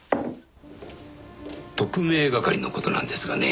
特命係の事なんですがね。